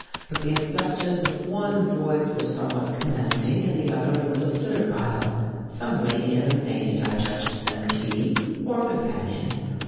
But the inflections of one voice were somewhat commanding and the other a little bit servile. Some lady and her maid, I judged them to be, or companion.